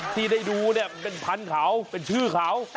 ที่ได้ดูเนี่ยเป็นพันธุ์เขาเป็นชื่อเขา